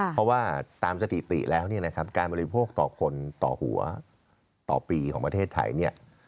เพราะว่าตามสถิติแล้วการบริโภคต่อคนต่อหัวต่อปีของประเทศไทย